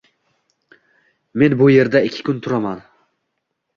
Men bu yerda ikki kun turaman.